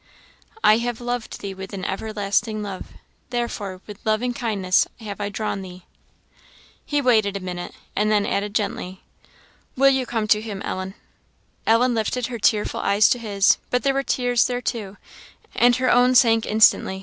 " 'I have loved thee with an everlasting love; therefore with loving kindness have I drawn thee.' " He waited a minute, and then added, gently "Will you come to him, Ellen?" Ellen lifted her tearful eyes to his; but there were tears there too, and her own sank instantly.